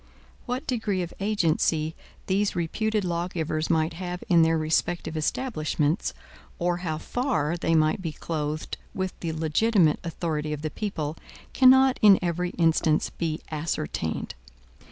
What degree of agency these reputed lawgivers might have in their respective establishments, or how far they might be clothed with the legitimate authority of the people, cannot in every instance be ascertained.